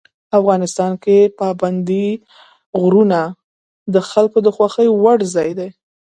افغانستان کې پابندي غرونه د خلکو د خوښې وړ ځای دی.